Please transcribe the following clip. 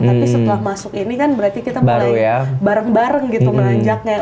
tapi setelah masuk ini kan berarti kita mulai bareng bareng gitu menanjaknya